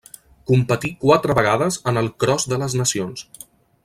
Competí quatre vegades en el Cros de les Nacions.